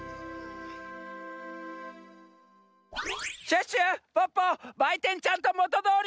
シュッシュポッポばいてんちゃんともとどおりに。